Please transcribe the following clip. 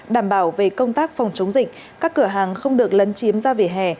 đảm bảo về công tác phòng chống dịch các cửa hàng không được lấn chiếm ra vỉa hè